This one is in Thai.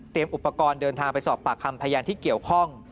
อุปกรณ์เดินทางไปสอบปากคำพยานที่เกี่ยวข้อง